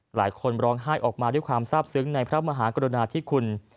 หลายคนร้องไห้ออกมาด้วยความทราบซึ้งในพระมหากรุณาธิคุณ